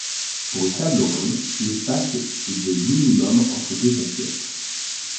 Pour une table ronde, l'espace est de minimum entre deux assiettes.